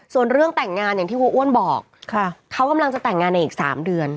ส่วนเรื่องแต่งงานอย่างที่ครูอ้วนบอกเขากำลังจะแต่งงานในอีก๓เดือน